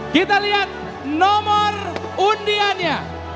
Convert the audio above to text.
kita lihat nomor undiannya